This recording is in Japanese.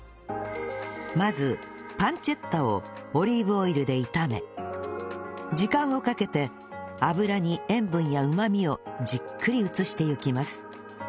まずパンチェッタをオリーブオイルで炒め時間をかけて油に塩分やうまみをじっくり移していきます